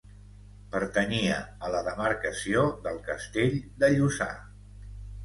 Pertanyia a la demarcació del castell de Lluçà.